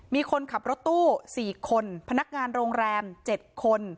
มีคนขับรถตู้๔คนพนักงานโรงแรม๗คน